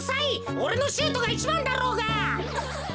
おれのシュートがいちばんだろうが！